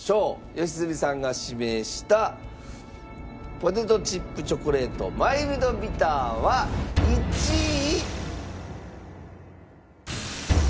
良純さんが指名したポテトチップチョコレートマイルドビターは１位。